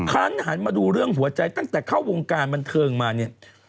คันหันมาดูเรื่องหัวใจตั้งแต่เข้าวงการบันเทิงมาเนี่ย